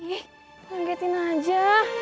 ih nanggitin aja